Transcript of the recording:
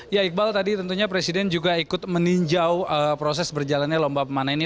ya iqbal tadi tentunya presiden juga ikut meninjau proses berjalannya lomba pemana ini